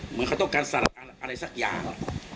เหมือนเขาต้องการสาราอะไรสักอย่าง